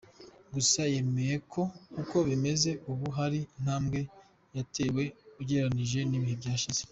Gusa yemera ko uko bimeze ubu hari intambwe yatewe ugereranyije n’ibihe byashize.